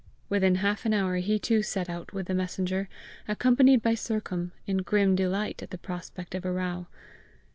Within half an hour he too set out with the messenger, accompanied by Sercombe, in grim delight at the prospect of a row.